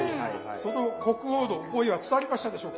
その国王の思いは伝わりましたでしょうか？